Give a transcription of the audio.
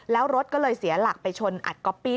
แล้วรถก็เลยเสียหลักไปชนอัดก๊อปปี้